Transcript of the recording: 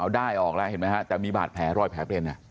ได้ออกแล้วเห็นไหมฮะแต่มีบาดแผลรอยแผลเป็น